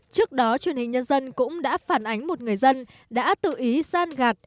trước đó truyền hình nhân dân cũng đã phản ánh một người dân đã tự ý san gạt